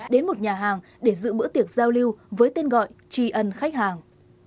đến một nhà hàng để giữ bữa tiệc giao lưu với tên gọi tri ân khách hàng